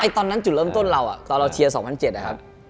ตอนนั้นจุดเริ่มต้นเราตอนเราเชียร์๒๐๐๗นะครับ